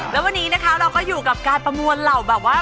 แล้ววันนี้นะคะเราก็อยู่กับการประมวลเหล่าแบบว่า